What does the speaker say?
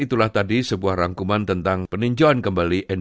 ini penting bahwa pesan pesan ini dan perubahan ini